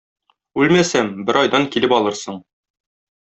Үлмәсәм, бер айдан килеп алырсың.